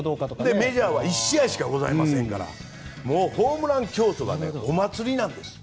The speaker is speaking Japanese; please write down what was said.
メジャーは１試合しかございませんからホームラン競争はお祭りなんです。